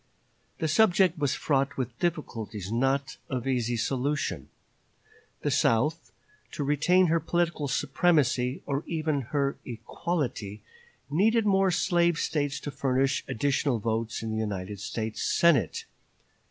The subject was fraught with difficulties not of easy solution. The South, to retain her political supremacy, or even her equality, needed more slave States to furnish additional votes in the United States Senate.